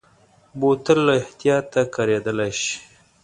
بوتل له احتیاطه کارېدلی شي.